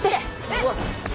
えっ。